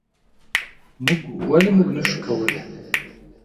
ولې موږ نشو کولی؟